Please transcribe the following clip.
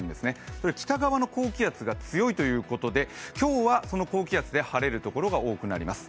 これ北側の高気圧が強いということで今日はその高気圧で晴れるということになります。